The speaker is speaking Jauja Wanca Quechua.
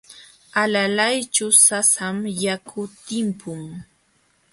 Alalayćhu sasam yaku timpun.